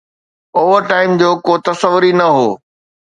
Over time جو ڪو تصور ئي نه هو.